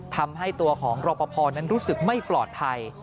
ทำให้ตัวของรอปภนั้นรู้สึกไม่ปลอดภัย